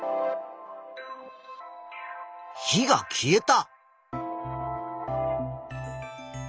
火が消えた。